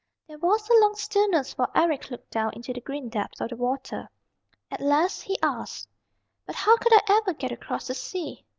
There was a long stillness while Eric looked down into the green depths of the water. At last he asked, "But how could I ever get across the sea?